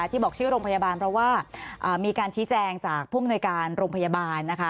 ที่บอกชื่อโรงพยาบาลเพราะว่ามีการชี้แจงจากผู้อำนวยการโรงพยาบาลนะคะ